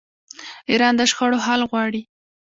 ایران د شخړو حل غواړي.